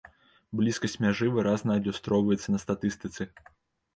Блізкасць мяжы выразна адлюстроўваецца на статыстыцы.